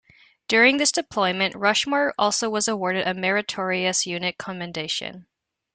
During this deployment, "Rushmore" also was awarded a Meritorious Unit Commendation.